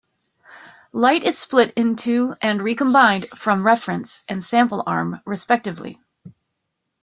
Light is split into and recombined from reference and sample arm, respectively.